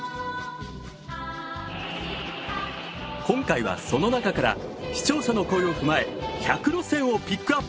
今回はその中から視聴者の声を踏まえ１００路線をピックアップ。